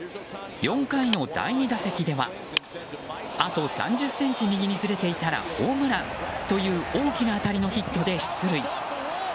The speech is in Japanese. ４回の第２打席ではあと３０ｃｍ右にずれていたらホームランという大きな当たりのヒットで出塁。